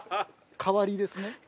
代わりですね。